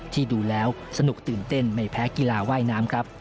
ที่ดูแล้วสนุกตื่นเต้นไม่แพ้กีฬาว่ายน้ำครับ